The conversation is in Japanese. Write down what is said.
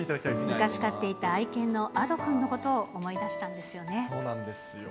昔飼っていた愛犬のアドくんのことを思い出したんですよね。